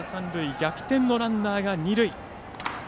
逆転のランナーが二塁。